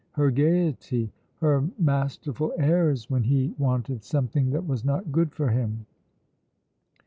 Her gaiety! Her masterful airs when he wanted something that was not good for him!